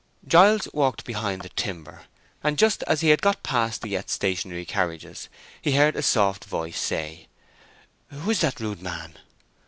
Giles walked behind the timber, and just as he had got past the yet stationary carriages he heard a soft voice say, "Who is that rude man?